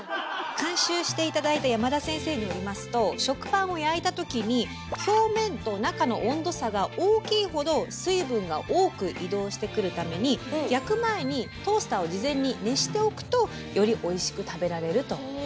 監修して頂いた山田先生によりますと食パンを焼いたときに表面と中の温度差が大きいほど水分が多く移動してくるために焼く前にトースターを事前に熱しておくとよりおいしく食べられるということです。